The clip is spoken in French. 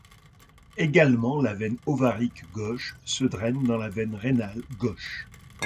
Également, la veine ovarique gauche se draine dans la veine rénale gauche.